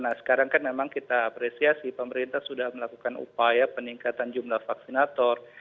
nah sekarang kan memang kita apresiasi pemerintah sudah melakukan upaya peningkatan jumlah vaksinator